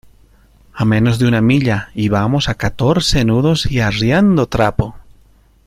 a menos de una milla. y vamos a catorce nudos y arriando trapo .